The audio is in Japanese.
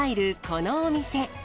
このお店。